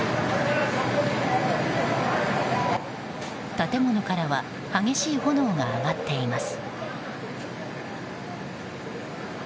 建物からは激しい炎が上がっています。